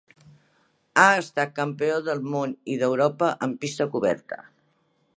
Ha estat campió del Món i d'Europa en pista coberta.